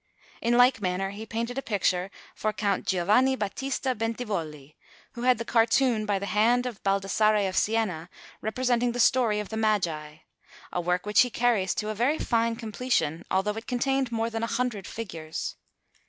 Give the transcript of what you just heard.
In like manner, he painted a picture for Count Giovanni Battista Bentivogli, who had the cartoon by the hand of Baldassarre of Siena, representing the story of the Magi: a work which he carried to a very fine completion, although it contained more than a hundred figures.